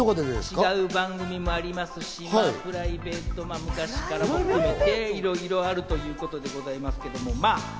違う番組も、それからプライベートで昔からいろいろあるということでございますけど。